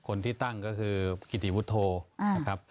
คนที่ตั้งก็คือกิติวุทธโท